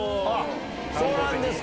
そうなんですか。